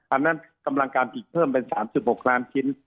อันนั้นกำลังการอีกเพิ่มเป็น๓๖ล้านชิ้น